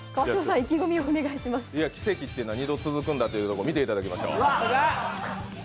川島さん、意気込みをお願いします奇跡というのは２度続くんだということを見ていただきましょう。